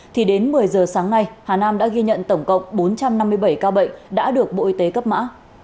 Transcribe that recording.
thì đến một mươi giờ sáng nay hà nam đã ghi nhận tổng cộng bốn trăm năm mươi bảy ca bệnh đã được bộ y tế cấp mã